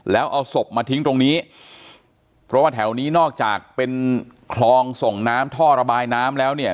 แล้วเอาศพมาทิ้งตรงนี้เพราะว่าแถวนี้นอกจากเป็นคลองส่งน้ำท่อระบายน้ำแล้วเนี่ย